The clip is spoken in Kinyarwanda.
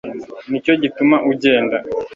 nicyo gituma ugenda